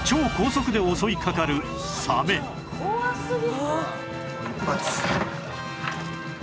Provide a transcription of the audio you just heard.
怖すぎ！